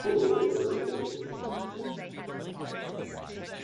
I will reproduce them in the words of their authors.